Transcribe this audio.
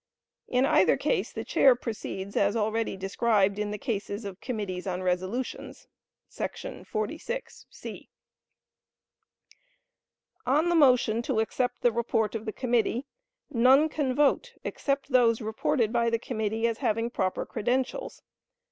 In either case the Chair proceeds as already described in the cases of committees on resolutions [§ 46, (c)]. On the motion to accept the report of the committee, none can vote except those reported by the committee as having proper credentials.